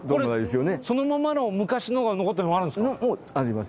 そのままの昔のが残ってるのもあるんですか？